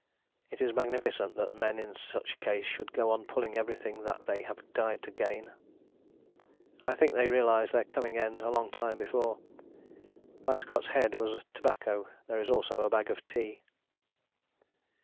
_ It is magnificent that men in such case should go on pulling everything that they have died to gain. I think they realized their coming end a long time before. By Scott's head was tobacco: there is also a bag of tea.